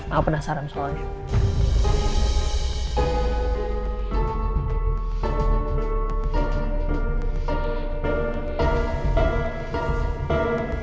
aku penasaran soalnya